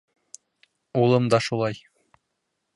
Улым да шулай.